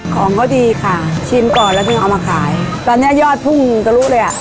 ของเขาดีค่ะชิมก่อนแล้วถึงเอามาขายตอนเนี้ยยอดพุ่งทะลุเลยอ่ะ